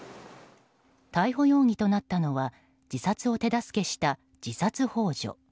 逮捕容疑となったのは自殺を手助けした自殺幇助。